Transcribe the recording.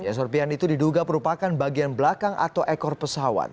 ya serpihan itu diduga perupakan bagian belakang atau ekor pesawat